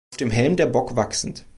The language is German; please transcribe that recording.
Auf dem Helm der Bock wachsend.